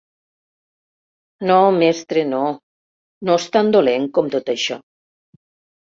No, mestre, no; no és tan dolent com tot això.